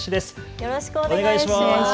よろしくお願いします。